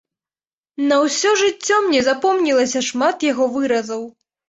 На ўсё жыццё мне запомнілася шмат яго выразаў.